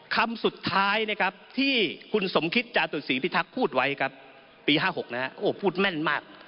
คำสุดท้ายนะครับที่คุณสมคิตจาตุศรีพิทักษ์พูดไว้ครับปี๕๖นะฮะโอ้พูดแม่นมาก